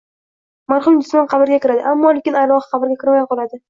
Marhum jisman qabrga kiradi, ammo-lekin arvohi qabrga kirmay qoladi.